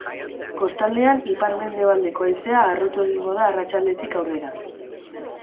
Kostaldean ipar-mendebaldeko haizea harrotu egingo da arratsaldetik aurrera.